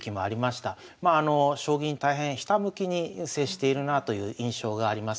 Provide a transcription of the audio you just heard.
将棋に大変ひたむきに接しているなあという印象があります。